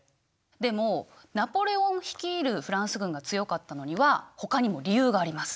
でもナポレオン率いるフランス軍が強かったのにはほかにも理由があります。